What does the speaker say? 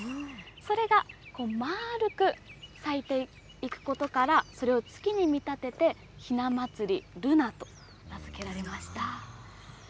それがまーるく咲いていくことから、それを月に見立てて、ひな祭りルナと名付けられました。